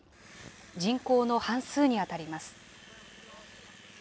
人口の半数に当たります。